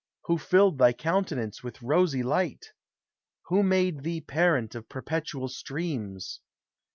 Who filled thy countenance with rosy light? Who made thee parent of perpetual streams?